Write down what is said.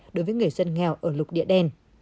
đối với người dân nghèo ở lục địa đen